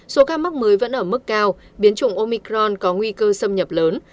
số ca mắc mới vẫn ở mức cao biến chủng omicron có nguy cơ xâm nhập lớn